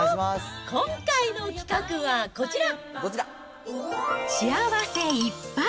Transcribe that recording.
今回の企画はこちら。